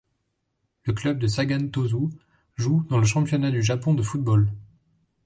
Le club de Sagan Tosu joue dans le Championnat du Japon de football.